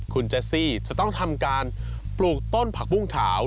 คุณเจสซี่จะต้องทำการปลูกต้นผักบุ้งขาว